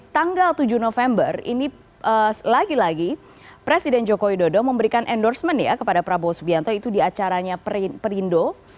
tanggal tujuh november ini lagi lagi presiden joko widodo memberikan endorsement ya kepada prabowo subianto itu di acaranya perindo